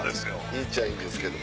いいっちゃいいんですけど。